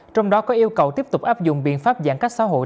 trong đó có yêu cầu tiếp tục áp dụng biện pháp giãn cách xã hội